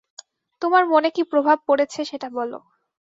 তোমার মনে কি প্রভাব পড়েছে সেটা বল।